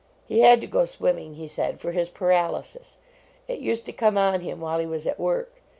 He had to go swimming, he said, for his paralysis. It used to come on him while he was at work.